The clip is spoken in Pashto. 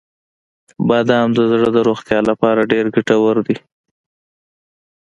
• بادام د زړه د روغتیا لپاره ډیره ګټور دی.